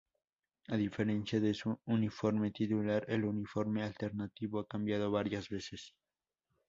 A diferencia de su uniforme titular, el uniforme alternativo ha cambiado varias veces.